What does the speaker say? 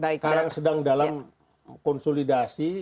sekarang sedang dalam konsolidasi